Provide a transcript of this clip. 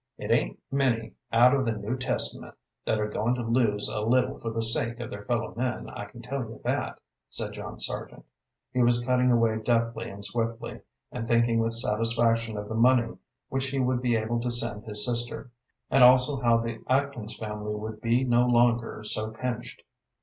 "It ain't many out of the New Testament that are going to lose a little for the sake of their fellow men, I can tell you that," said John Sargent. He was cutting away deftly and swiftly, and thinking with satisfaction of the money which he would be able to send his sister, and also how the Atkins family would be no longer so pinched.